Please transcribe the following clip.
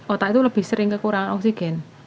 otak itu lebih sering kekurangan oksigen